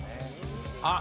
あっ！